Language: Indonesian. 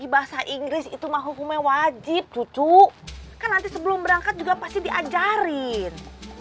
bahasa inggris itu mah hukumnya wajib cucu kan nanti sebelum berangkat juga pasti diajarin